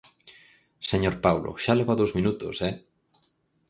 Señor Paulo, xa leva dous minutos, ¡eh!